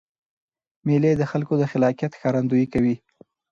مېلې د خلکو د خلاقیت ښکارندویي کوي.